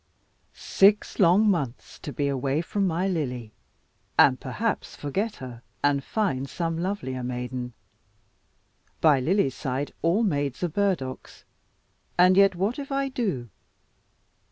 "Six long months to be away from Lily! And perhaps forget her, and find some lovelier maiden." "By Lily's side, all maids are burdocks. And yet what if I do?"